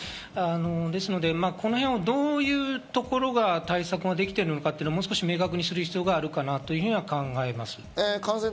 ですので、このへんをどういうところが対策できているのか明確にする必要があるかなと考えます。